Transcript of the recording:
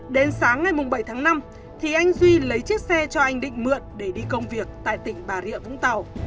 đến sáng ngày bảy tháng năm thì anh duy lấy chiếc xe cho anh định mượn để đi công việc tại tỉnh bà rịa vũng tàu